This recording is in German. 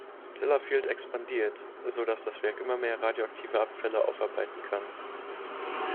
Sellafield expandiert, so dass das Werk immer mehr radioaktive Abfälle aufarbeiten kann.